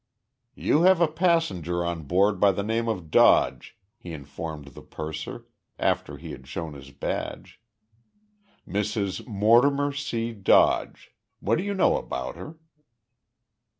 "You have a passenger on board by the name of Dodge," he informed the purser, after he had shown his badge. "Mrs. Mortimer C. Dodge. What do you know about her?"